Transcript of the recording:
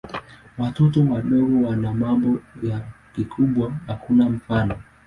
Watoto wadogo wana mambo ya kikubwa hakuna mfano.